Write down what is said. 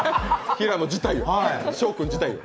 平野自体を？